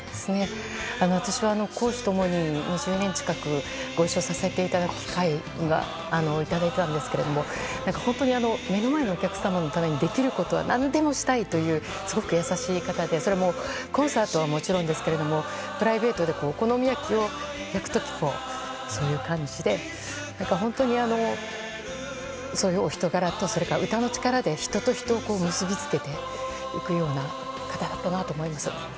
私は公私共に２０年近くご一緒させていただいたんですけれども本当に目の前のお客様のためにできることは何でもしたいというすごく優しい方でそれもコンサートはもちろんですけどプライベートでお好み焼きを焼く時そういう感じで本当にそういうお人柄と歌の力で人と人を結び付けていくような方だったなと思います。